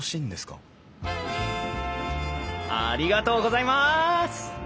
ありがとうございます！